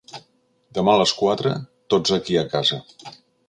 Demà a les quatre, tots aquí a casa.